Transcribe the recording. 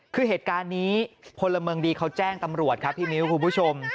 คือเหตุการณ์นี้พลเมืองดีเขาแจ้งตำรวจครับพี่มิ้วคุณผู้ชม